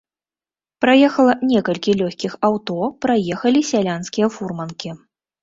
Праехала некалькі лёгкіх аўто, праехалі сялянскія фурманкі.